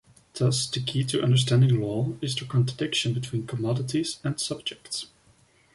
Thus the key to understanding law is the contradiction between commodities and subjects.